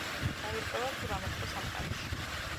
გაირკვევა თუ რა მოხდა სამყაროში.